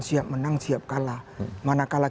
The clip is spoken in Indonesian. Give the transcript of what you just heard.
siap menang siap kalah mana kalah